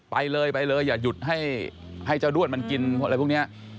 ไปเลยไปเลยอย่าหยุดให้เจ้าด้วนมันกินอะไรพวกนี้